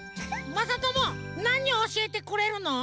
まさともなにをおしえてくれるの？